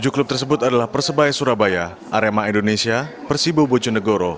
tujuh klub tersebut adalah persebaya surabaya arema indonesia persibo bojonegoro